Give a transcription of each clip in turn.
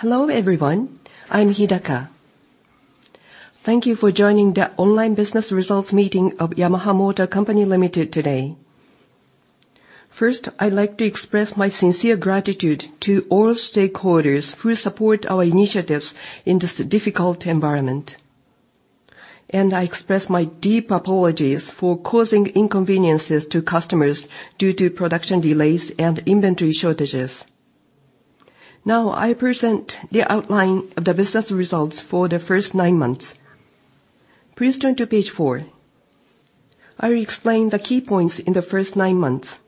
Hello, everyone. I'm Hidaka. Thank you for joining the online business results meeting of Yamaha Motor Company Ltd today. First, I'd like to express my sincere gratitude to all stakeholders who support our initiatives in this difficult environment. I express my deep apologies for causing inconveniences to customers due to production delays and inventory shortages. Now, I present the outline of the business results for the first nine months. Please turn to page four. I will explain the key points in the first nine months.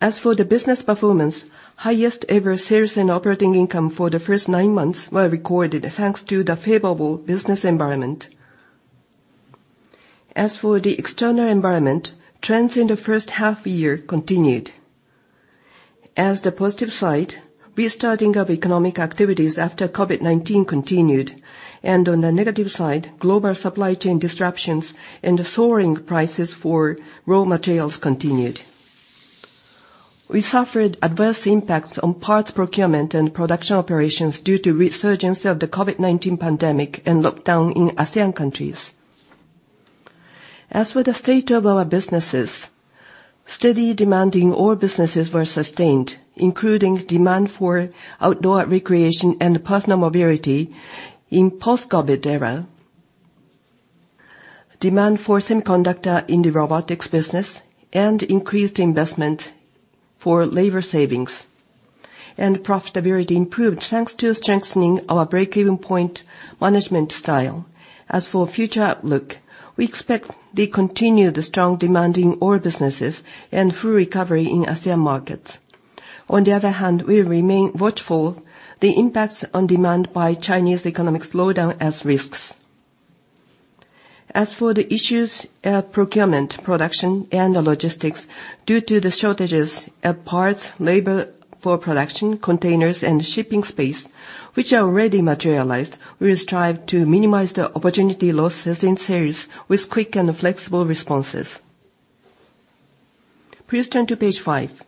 As for the business performance, highest-ever sales and operating income for the first nine months were recorded, thanks to the favorable business environment. As for the external environment, trends in the first half year continued. On the positive side, restarting of economic activities after COVID-19 continued. On the negative side, global supply chain disruptions and the soaring prices for raw materials continued. We suffered adverse impacts on parts procurement and production operations due to resurgence of the COVID-19 pandemic and lockdown in ASEAN countries. As for the state of our businesses, steady demand in all businesses was sustained, including demand for outdoor recreation and personal mobility in post-COVID era, demand for semiconductors in the Robotics business, and increased investment for labor savings. Profitability improved, thanks to strengthening our break-even point management style. As for future outlook, we expect the continued strong demand in all businesses and full recovery in ASEAN markets. On the other hand, we remain watchful of the impacts on demand by Chinese economic slowdown as risks. As for the issues in procurement, production, and logistics, due to the shortages of parts, labor for production, containers, and shipping space, which already materialized, we will strive to minimize the opportunity losses in sales with quick and flexible responses. Please turn to page five.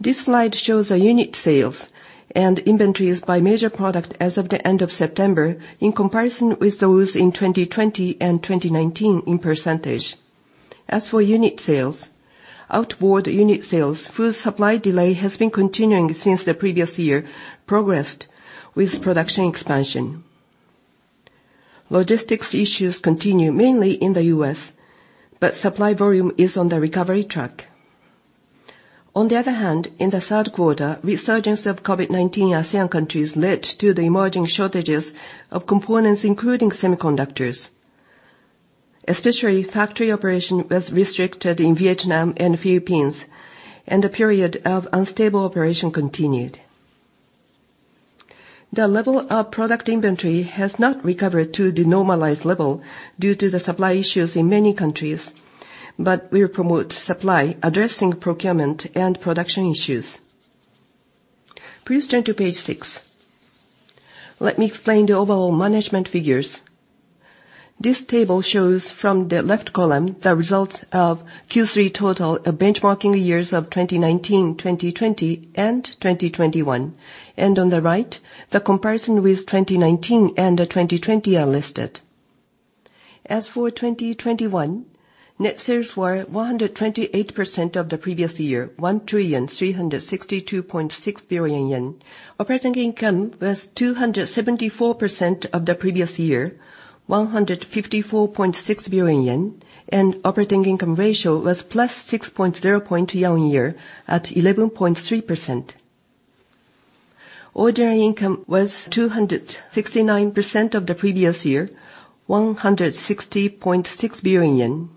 This slide shows the unit sales and inventories by major product as of the end of September in comparison with those in 2020 and 2019 in percentage. As for unit sales, outboard unit sales, full supply delay has been continuing since the previous year, progressed with production expansion. Logistics issues continue mainly in the U.S., but supply volume is on the recovery track. On the other hand, in the third quarter, resurgence of COVID-19 in ASEAN countries led to the emerging shortages of components, including semiconductors. Especially, factory operation was restricted in Vietnam and Philippines, and a period of unstable operation continued. The level of product inventory has not recovered to the normalized level due to the supply issues in many countries, but we will promote supply, addressing procurement and production issues. Please turn to page six. Let me explain the overall management figures. This table shows from the left column the results of Q3 total benchmarking years of 2019, 2020, and 2021. On the right, the comparison with 2019 and 2020 are listed. As for 2021, net sales were 100% of the previous year, 1,362.6 billion yen. Operating income was 274% of the previous year, 154.6 billion yen. Operating income ratio was plus six point zero point year-on-year at 11.3%. Ordinary income was 269% of the previous year, 160.6 billion yen.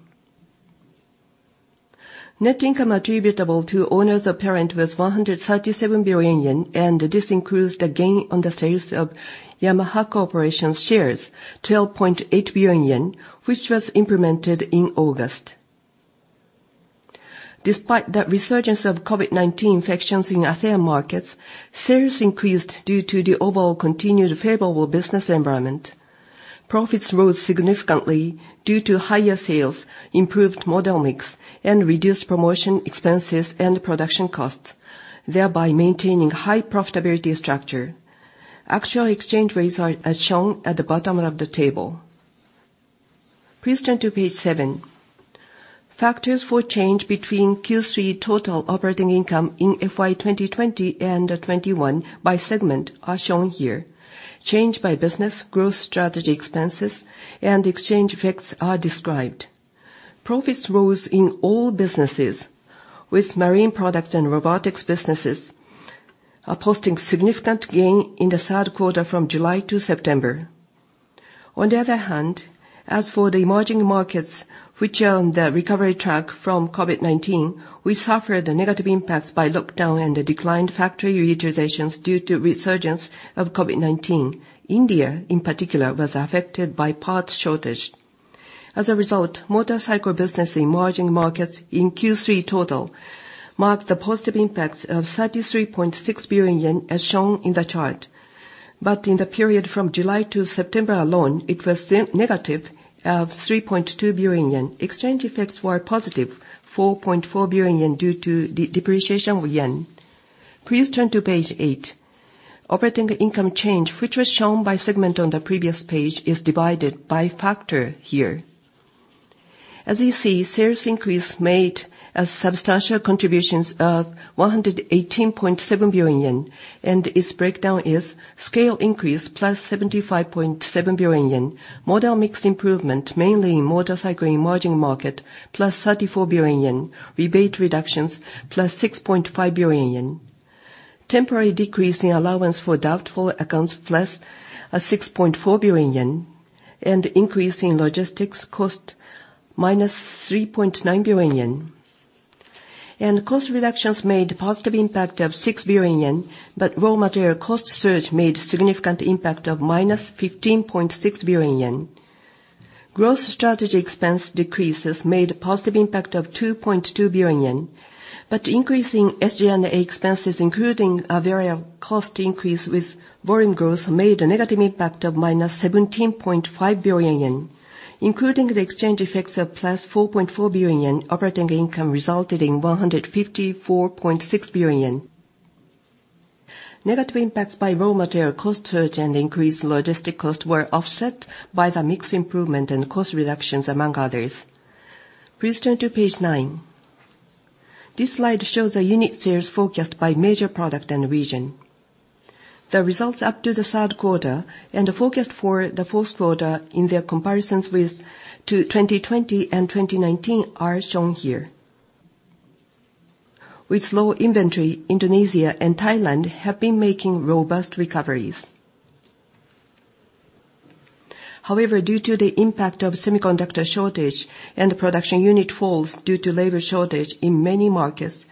Net income attributable to owners of parent was 137 billion yen, and this includes the gain on the sales of Yamaha Corporation's shares, 12.8 billion yen, which was implemented in August. Despite the resurgence of COVID-19 infections in ASEAN markets, sales increased due to the overall continued favorable business environment. Profits rose significantly due to higher sales, improved model mix, and reduced promotion expenses and production costs, thereby maintaining high profitability structure. Actual exchange rates are as shown at the bottom of the table. Please turn to page 7. Factors for change between Q3 total operating income in FY 2020 and 2021 by segment are shown here. Change by business, growth strategy expenses, and exchange effects are described. Profits rose in all businesses, with Marine Products and Robotics businesses posting significant gain in the third quarter from July to September. On the other hand, as for the emerging markets which are on the recovery track from COVID-19, we suffered the negative impacts by lockdown and the declined factory utilizations due to resurgence of COVID-19. India, in particular, was affected by parts shortage. As a result, motorcycle business in emerging markets in Q3 totaled the positive impacts of 33.6 billion yen, as shown in the chart. In the period from July-September alone, it was then negative of 3.2 billion yen. Exchange effects were positive 4.4 billion yen, due to depreciation of yen. Please turn to page eight. Operating income change, which was shown by segment on the previous page, is divided by factor here. As you see, sales increase made a substantial contributions of 118.7 billion yen, and its breakdown is scale increase plus 75.7 billion yen. Model mix improvement, mainly in motorcycle emerging market, plus 34 billion yen. Rebate reductions, plus 6.5 billion yen. Temporary decrease in allowance for doubtful accounts, plus 6.4 billion yen. Increase in logistics cost, minus 3.9 billion yen. Cost reductions made positive impact of 6 billion yen, raw material cost surge made significant impact of minus 15.6 billion yen. Growth strategy expense decreases made positive impact of 2.2 billion yen. Increase in SG&A expenses, including a variable cost increase with volume growth, made a negative impact of minus 17.5 billion yen. Including the exchange effects of plus 4.4 billion yen, operating income resulted in 154.6 billion yen. Negative impacts by raw material cost surge and increased logistics cost were offset by the mix improvement and cost reductions among others. Please turn to page nine. This slide shows a unit sales forecast by major product and region. The results up to the third quarter and the forecast for the fourth quarter in their comparisons with 2020 and 2019 are shown here. Sales in Indonesia and Thailand have been making robust recoveries. However, due to the impact of semiconductor shortage and the production units fall due to labor shortage in many markets,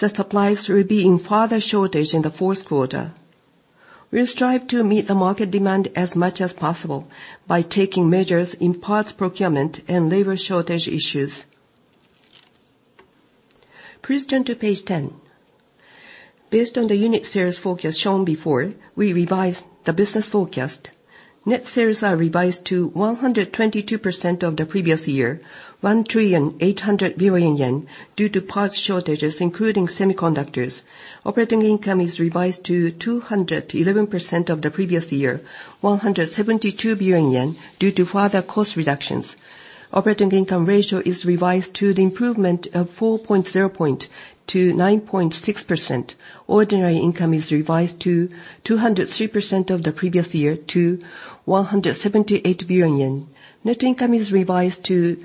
the supplies will be in further shortage in the fourth quarter. We'll strive to meet the market demand as much as possible by taking measures in parts procurement and labor shortage issues. Please turn to page 10. Based on the unit sales forecast shown before, we revised the business forecast. Net sales are revised to 122% of the previous year, 1.8 trillion, due to parts shortages, including semiconductors. Operating income is revised to 211% of the previous year, 172 billion yen, due to further cost reductions. Operating income ratio is revised to the improvement of 4.0 points to 9.6%. Ordinary income is revised to 203% of the previous year to 178 billion yen. Net income is revised to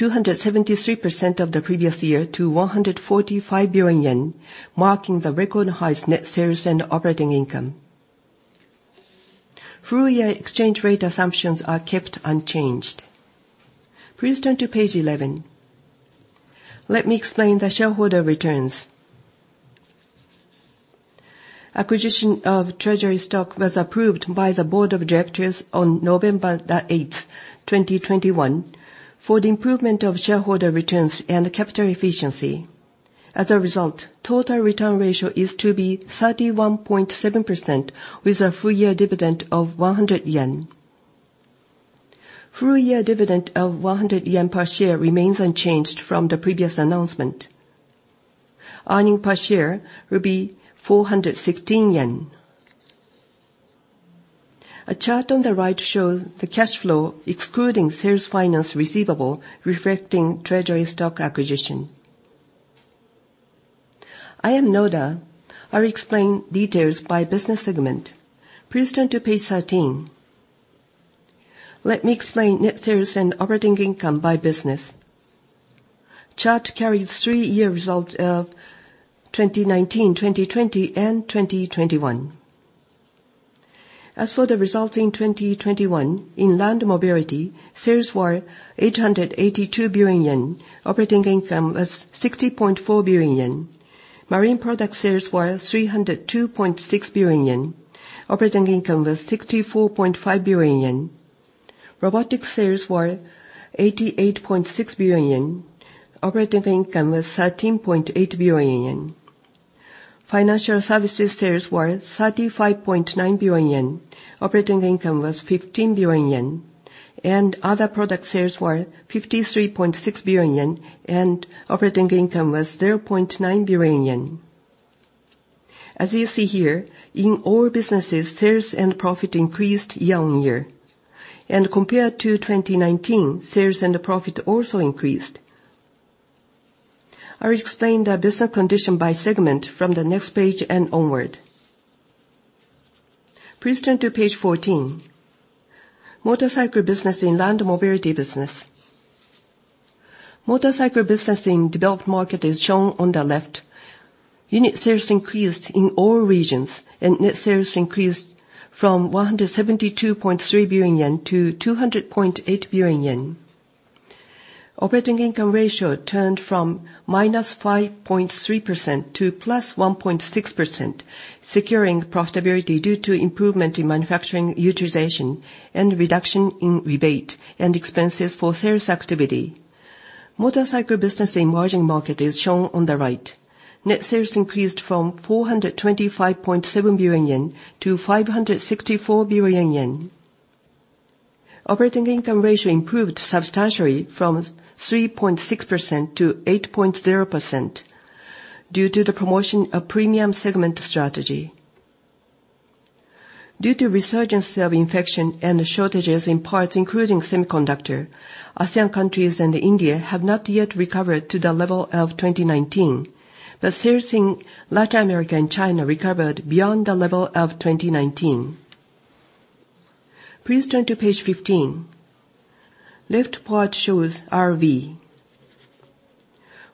273% of the previous year to 145 billion yen, marking the record highest net sales and operating income. Full year exchange rate assumptions are kept unchanged. Please turn to page 11. Let me explain the shareholder returns. Acquisition of treasury stock was approved by the board of directors on November 8, 2021, for the improvement of shareholder returns and capital efficiency. As a result, total return ratio is to be 31.7% with a full year dividend of 100 yen. Full year dividend of 100 yen per share remains unchanged from the previous announcement. Earnings per share will be 416 yen. A chart on the right shows the cash flow excluding sales finance receivable reflecting treasury stock acquisition. I am Noda. I'll explain details by business segment. Please turn to page 13. Let me explain net sales and operating income by business. Chart carries three-year results of 2019, 2020, and 2021. As for the results in 2021, in Land Mobility, sales were 882 billion yen. Operating income was 60.4 billion yen. Marine Products sales were 302.6 billion yen. Operating income was 64.5 billion yen. Robotics sales were 88.6 billion yen. Operating income was 13.8 billion yen. Financial Services sales were 35.9 billion yen. Operating income was 15 billion yen. Other product sales were 53.6 billion yen, and operating income was 0.9 billion yen. As you see here, in all businesses, sales and profit increased year-on-year. Compared to 2019, sales and the profit also increased. I'll explain the business condition by segment from the next page and onward. Please turn to page 14. Motorcycle Business and Land Mobility Business. Motorcycle Business in developed market is shown on the left. Unit sales increased in all regions, and net sales increased from 172.3 billion yen to 200.8 billion yen. Operating income ratio turned from -5.3% to +1.6%, securing profitability due to improvement in manufacturing utilization and reduction in rebate and expenses for sales activity. Motorcycle business in emerging market is shown on the right. Net sales increased from 425.7 billion yen to 564 billion yen. Operating income ratio improved substantially from 3.6% -8.0% due to the promotion of premium segment strategy. Due to resurgence of infection and shortages in parts including semiconductor, ASEAN countries and India have not yet recovered to the level of 2019. Sales in Latin America and China recovered beyond the level of 2019. Please turn to page 15. Left part shows RV.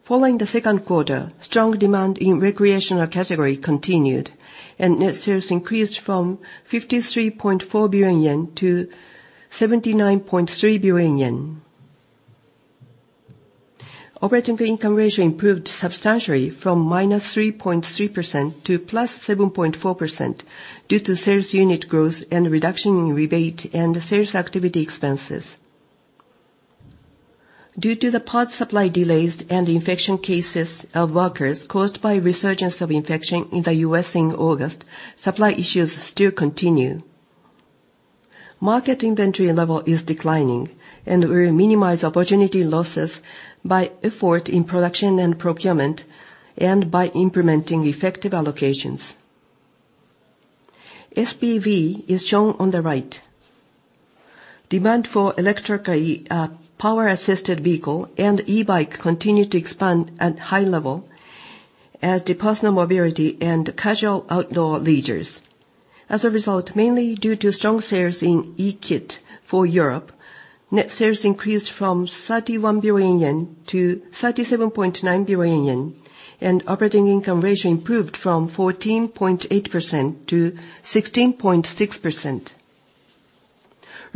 Following the second quarter, strong demand in recreational category continued, and net sales increased from 53.4 billion yen to 79.3 billion yen. Operating income ratio improved substantially from -3.3% to +7.4% due to sales unit growth and reduction in rebate and sales activity expenses. Due to the parts supply delays and infection cases of workers caused by resurgence of infection in the U.S. in August, supply issues still continue. Market inventory level is declining, and we minimize opportunity losses by effort in production and procurement, and by implementing effective allocations. SPV is shown on the right. Demand for electric power assisted vehicle and e-bike continued to expand at high level as the personal mobility and casual outdoor leisures. As a result, mainly due to strong sales in e-Kit for Europe, net sales increased from 31 billion-37.9 billion yen and operating income ratio improved from 14.8% to 16.6%.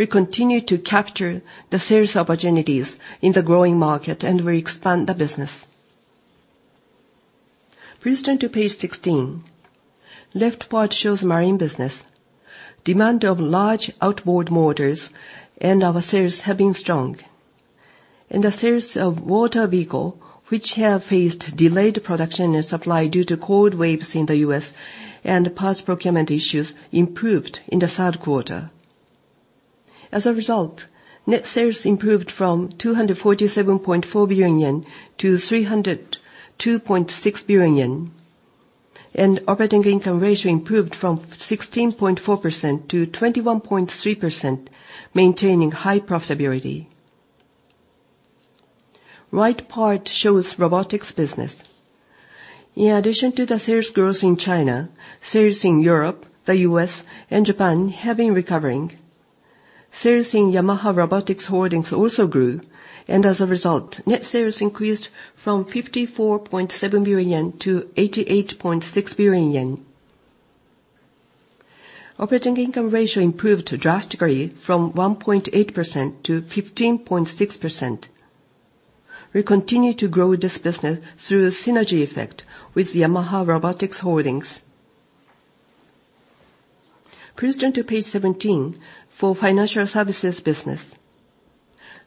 We continue to capture the sales opportunities in the growing market and we expand the business. Please turn to page 16. Left part shows marine business. Demand for large outboard motors and our sales have been strong. The sales of personal watercraft, which have faced delayed production and supply due to cold waves in the U.S. and parts procurement issues, improved in the third quarter. As a result, net sales improved from 247.4 billion yen to 302.6 billion yen. Operating income ratio improved from 16.4%-21.3%, maintaining high profitability. Right part shows Robotics business. In addition to the sales growth in China, sales in Europe, the U.S., and Japan have been recovering. Sales in Yamaha Robotics Holdings also grew, and as a result, net sales increased from 54.7 billion-88.6 billion yen. Operating income ratio improved drastically from 1.8%-15.6%. We continue to grow this business through a synergy effect with Yamaha Robotics Holdings. Please turn to page 17 for Financial Services business.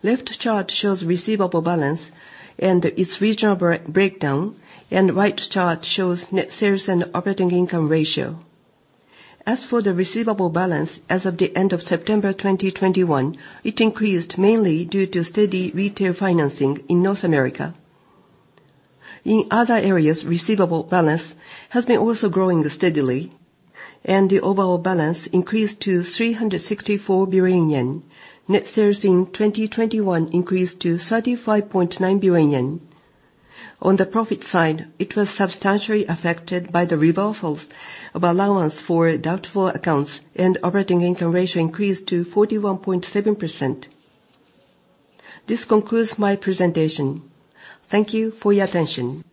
Left chart shows receivable balance and its regional breakdown, and right chart shows net sales and operating income ratio. As for the receivable balance as of the end of September 2021, it increased mainly due to steady retail financing in North America. In other areas, receivable balance has been also growing steadily, and the overall balance increased to 364 billion yen. Net sales in 2021 increased to 35.9 billion yen. On the profit side, it was substantially affected by the reversals of allowance for doubtful accounts, and operating income ratio increased to 41.7%. This concludes my presentation. Thank you for your attention.